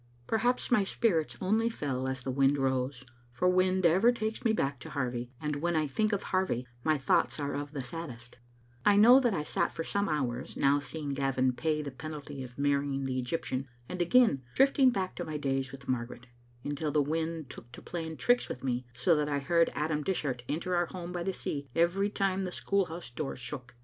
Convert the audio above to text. Perhaps my spirits only fell as the wind rose, for wind ever takes me back to Harvie, and when I think of Harvie my thoughts are of the saddest, I know that I sat for some hours, now seeing Gavin pay the penalty Digitized by VjOOQ IC Scene at tbe SpittaL Ml of marrying the Egyptian, and again drifting back to my days with Margaret, until the wind took to playing tricks with me, so that I heard Adam Dishart enter our home by the sea every time the school house door shook.